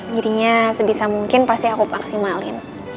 dirinya sebisa mungkin pasti aku maksimalin